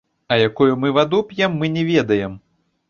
А якую мы ваду п'ем, мы не ведаем.